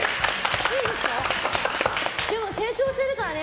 成長してるからね。